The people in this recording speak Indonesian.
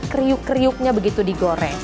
kriuk kriuknya begitu digoreng